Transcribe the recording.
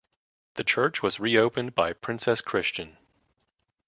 The church was reopened by Princess Christian.